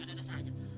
tidak ada saat